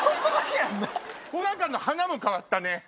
この中の花も変わったね。